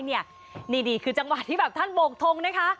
นี่คือจังหวะที่แบบท่านโบกทงนะคะ